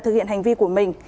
thực hiện hành vi của mình